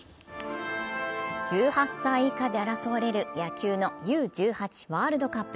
１８歳以下で争われる野球のＵ−１８ワールドカップ。